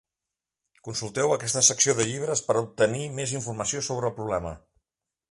Consulteu aquesta secció de llibres per obtenir més informació sobre el problema.